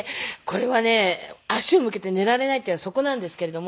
足を向けて寝られないっていうのはそこなんですけれども。